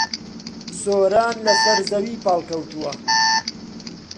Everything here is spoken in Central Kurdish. سۆران لەسەر زەوی پاڵکەوتووە.